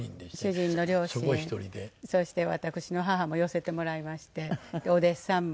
主人の両親そして私の母も寄せてもらいましてお弟子さんも。